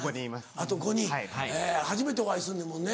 あと５人初めてお会いするねんもんね？